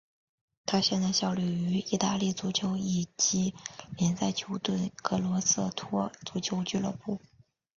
他现在效力于意大利足球乙级联赛球队格罗瑟托足球俱乐部。